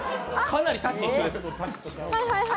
かなりタッチ一緒です。